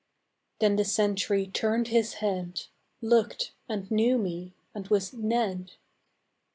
Then the sentry turned his head, Looked, and knew me, and was Ned.